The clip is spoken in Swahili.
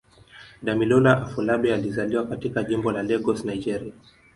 Damilola Afolabi alizaliwa katika Jimbo la Lagos, Nigeria.